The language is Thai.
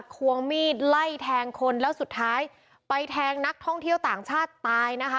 ควงมีดไล่แทงคนแล้วสุดท้ายไปแทงนักท่องเที่ยวต่างชาติตายนะคะ